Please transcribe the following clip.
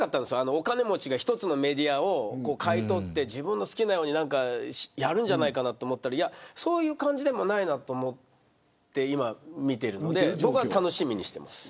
お金持ちが１つのメディアを買い取って自分の好きなようにやるんじゃないかと思いましたけどそういう感じでもないと思って見ているので僕は楽しみにしています。